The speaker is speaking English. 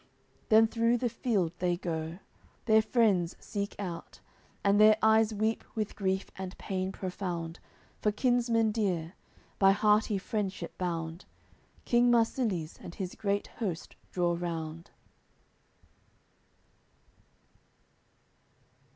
Then through the field they go, their friends seek out, And their eyes weep with grief and pain profound For kinsmen dear, by hearty friendship bound. King Marsilies and his great host draw round.